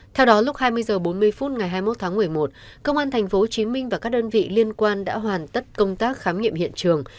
theo đó lúc hai mươi h bốn mươi phút ngày hai mươi một tháng một mươi một công an tp hcm và các đơn vị liên quan đã hoàn tất công tác khám nghiệm hiện trường